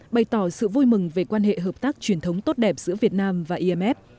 bày tỏ sự vui mừng về quan hệ hợp tác truyền thống tốt đẹp giữa việt nam và imf